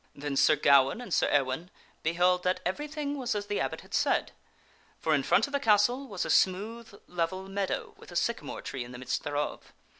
Then Sir Gawaine and Sir Ewaine beheld that everything was as the abbot had said ; for in front of the castle was a smooth, level meadow with a sycamore tree in the midst thereof.